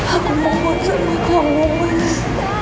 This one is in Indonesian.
aku mau buat sama kamu mas